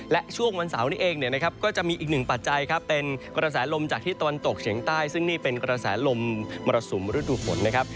และช่วงวันเสาร์นี้เองเนี่ยนะครับก็จะมีอีกหนึ่งปัจจัยครับเป็นกระแสลมจากที่ตะวันตกเฉียงใต้ซึ่งนี่เป็นกระแสลมมรสุมฤดูฝนนะครับ